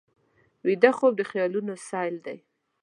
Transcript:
ویده خوب د خیالونو سیل دی